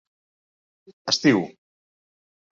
Estiu: